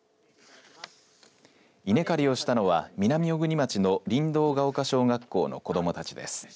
稲刈りをしたのは南小国町のりんどうヶ丘小学校の子どもたちです。